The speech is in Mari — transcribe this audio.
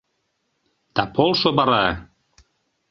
Да полшо вара!